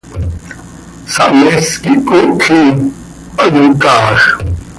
Sahmees quih coocj ihi, hayocaaaj.